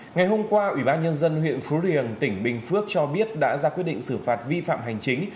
ngày hôm qua ủy ban nhân dân huyện phú riềng tỉnh bình phước cho biết đã ra quyết định xử phạt vi phạm hành chính